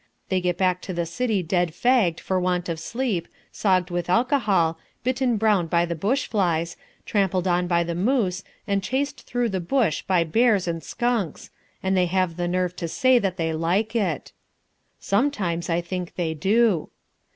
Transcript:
They get back to the city dead fagged for want of sleep, sogged with alcohol, bitten brown by the bush flies, trampled on by the moose and chased through the brush by bears and skunks and they have the nerve to say that they like it. Sometimes I think they do.